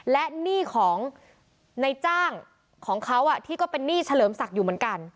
และหนี้ของในจ้างของเขาที่ก็เป็นหนี้เฉลิมศักดิ์อยู่เหมือนกัน